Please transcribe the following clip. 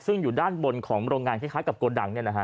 ซึ่งอยู่ด้านบนของโรงงานคล้ายกับโกดัง